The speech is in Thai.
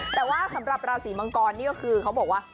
แต่ว่าสำหรับราศีมังกรนี่ก็คือเขาบอกว่า